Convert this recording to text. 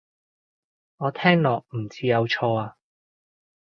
我聽落唔似有錯啊